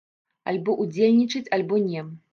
Альбо ўдзельнічаць, альбо не.